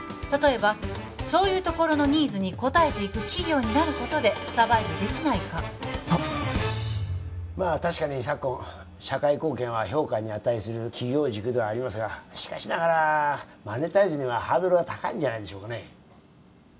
例えばそういうところのニーズに応えていく企業になることでサバイブできないかとまあ確かに昨今社会貢献は評価に値する企業軸ではありますがしかしながらマネタイズにはハードルが高いんじゃないでしょうかね？